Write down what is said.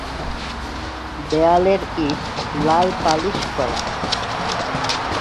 দেয়ালের ইট লাল পালিশ করা।